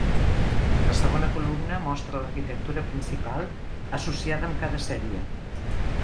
La segona columna mostra l'arquitectura principal associada amb cada sèrie.